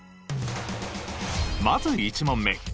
まず１問目。